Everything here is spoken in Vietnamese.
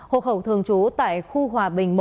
hộ khẩu thường trú tại khu hòa bình một